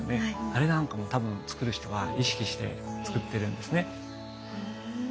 あれなんかも多分造る人は意識して造ってるんですね。